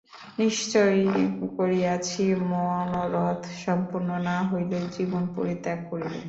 নিশ্চয় করিয়াছি মনোরথ সম্পন্ন না হইলে জীবন পরিত্যাগ করিব।